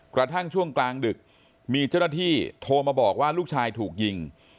กระทั่งช่วงกลางดึกมีเจ้าหน้าที่โทรมาบอกว่าลูกชายถูกยิง